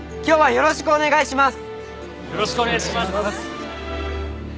よろしくお願いします！